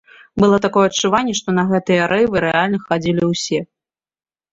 Было такое адчуванне, што на гэтыя рэйвы рэальна хадзілі ўсё.